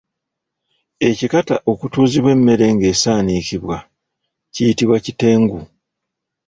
Ekikata okutuuzibwa emmere ng'esaanikibwa kiyitibwa kitengu.